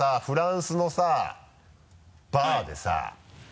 フランスのさバーでさ。